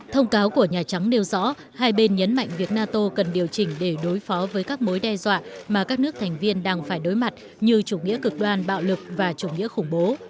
thông cáo của nhà trắng nêu rõ hai bên nhấn mạnh việc nato cần điều chỉnh để đối phó với các mối đe dọa mà các nước thành viên đang phải đối mặt như chủ nghĩa cực đoan bạo lực và chủ nghĩa khủng bố